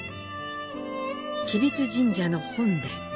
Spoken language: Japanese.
吉備津神社の本殿。